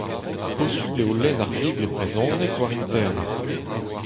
Posupl eo lenn ar Bibl e brezhoneg war internet.